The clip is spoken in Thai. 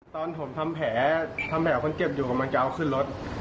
ตอนผมทำแผลทำแผลคนเจ็บอยู่กำลังจะเอาขึ้นรถ